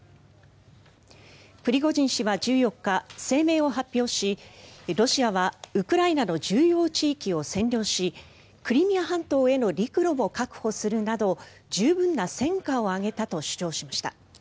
プリゴジン氏は１４日声明を発表しロシアはウクライナの重要地域を占領しクリミア半島への陸路も確保するなど十分な戦果を上げたと主張しました。